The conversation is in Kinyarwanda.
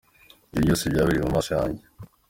Ibyo byose byabereye mu maso yanjye.